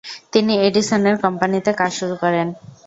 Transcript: তিনি এডিসন এর কোম্পানিতে কাজ শুরু করেন।